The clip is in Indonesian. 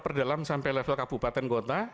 perdalam sampai level kabupaten kota